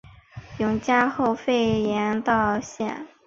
永嘉后废严道县。